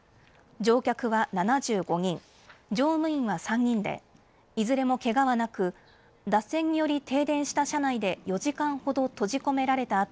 乗客は７５人、乗務員は３人でいずれもけがはなく脱線により停電した車内で４時間ほど閉じ込められた